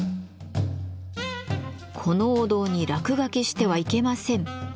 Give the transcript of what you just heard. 「このお堂に落書きしてはいけません」。